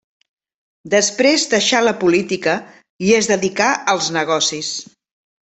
Després deixà la política i es dedicà als negocis.